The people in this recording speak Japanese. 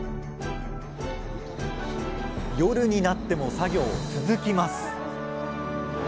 夜になっても作業続きます